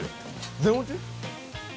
全落ち？